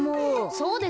そうですよ。